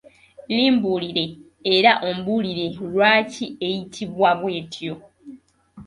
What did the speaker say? Limbuulire era ombuulire lwaki eyitibwa bw’etyo?